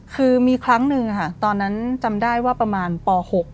คือมีครั้งหนึ่งค่ะตอนนั้นจำได้ว่าประมาณป๖